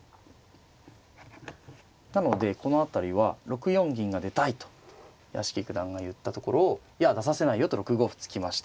なのでこの辺りは６四銀が出たいと屋敷九段が言ったところいや出させないよと６五歩突きました